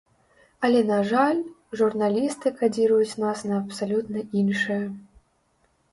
Але, на жаль, журналісты кадзіруюць нас на абсалютна іншае.